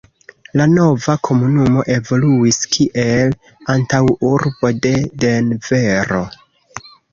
La nova komunumo evoluis kiel antaŭurbo de Denvero.